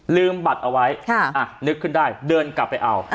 บัตรเอาไว้นึกขึ้นได้เดินกลับไปเอา